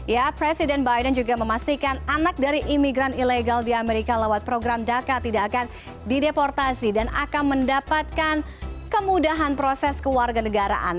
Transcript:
ya presiden biden juga memastikan anak dari imigran ilegal di amerika lewat program daka tidak akan dideportasi dan akan mendapatkan kemudahan proses kewarganegaraan